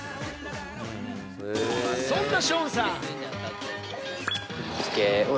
そんなショーンさん。